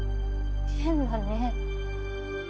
変だね。